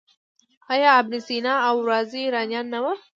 آیا ابن سینا او رازي ایرانیان نه وو؟